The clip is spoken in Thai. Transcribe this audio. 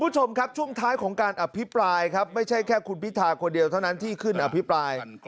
คุณผู้ชมครับช่วงท้ายของการอภิปรายครับไม่ใช่แค่คุณพิธาคนเดียวเท่านั้นที่ขึ้นอภิปราย